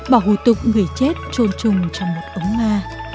bỏ hù tục người chết trôn trùng trong một ống ma